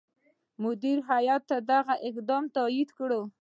مدیره هیات دغه اقدام تایید کړ.